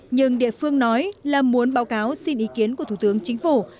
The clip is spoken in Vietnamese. nhưng địa phương nói là muốn báo cáo xin ý kiến của thủ tướng chính phủ